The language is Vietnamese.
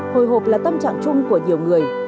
hồi hộp là tâm trạng chung của nhiều người